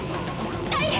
大変！